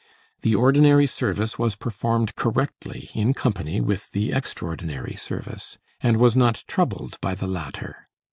The ordinary service was performed correctly in company with the extraordinary service, and was not troubled by the latter.